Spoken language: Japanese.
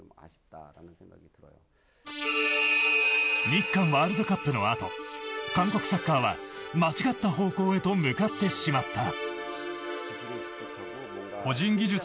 日韓ワールドカップの後韓国サッカーは間違った方向へと向かってしまった。